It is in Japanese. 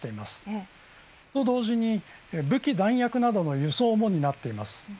それと同時に武器弾薬などの輸送も担っています。